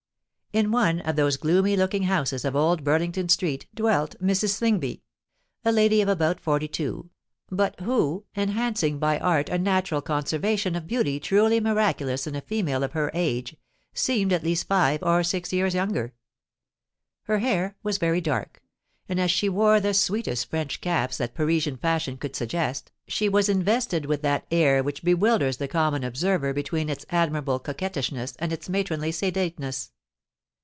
In one of those gloomy looking houses of Old Burlington Street dwelt Mrs. Slingsby—a lady of about forty two, but who, enhancing by art a natural conservation of beauty truly miraculous in a female of her age, seemed at least five or six years younger. Her hair was very dark; and as she wore the sweetest French caps that Parisian fashion could suggest, she was invested with that air which bewilders the common observer between its admirable coquettishness and its matronly sedateness.